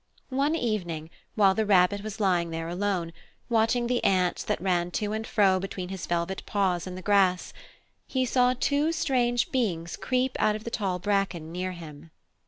One evening, while the Rabbit was lying there alone, watching the ants that ran to and fro between his velvet paws in the grass, he saw two strange beings creep out of the tall bracken near him.